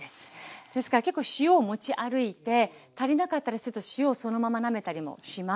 ですから結構塩を持ち歩いて足りなかったらちょっと塩をそのままなめたりもします。